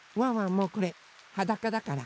もうこれはだかだから。